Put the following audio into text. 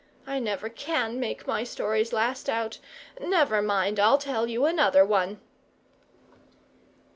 I never can make my stories last out! Never mind, I'll tell you another one."